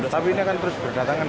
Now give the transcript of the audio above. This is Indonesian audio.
tapi ini akan terus berdatangan